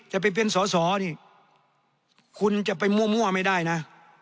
จะไปเป็นสอสอนี่คุณจะไปมั่วไม่ได้นะ